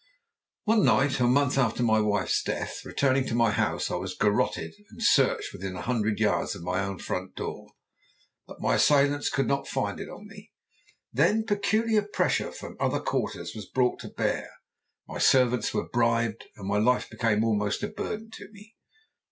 "One night, a month after my wife's death, returning to my house I was garrotted and searched within a hundred yards of my own front door, but my assailants could not find it on me. Then peculiar pressure from other quarters was brought to bear; my servants were bribed, and my life became almost a burden to me.